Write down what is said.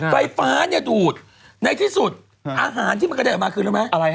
ไฟฟ้าเนี่ยดูดในที่สุดอาหารที่มันกระเด็นออกมาคือรู้ไหม